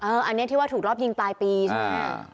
อันนี้ที่ว่าถูกรอบยิงปลายปีใช่ไหม